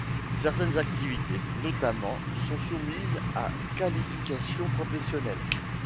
Certaines activités, notamment, sont soumises à qualification professionnelle.